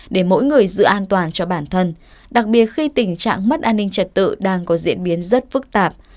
để mỗi người giữ an toàn cho bản thân đặc biệt khi tình trạng mất an ninh trật tự đang có diễn biến rất phức tạp